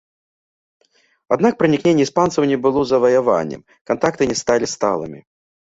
Аднак пранікненне іспанцаў не было заваяваннем, кантакты не сталі сталымі.